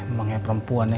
emangnya perempuan ya